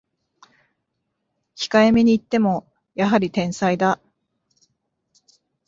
控えめに言ってもやはり天才だ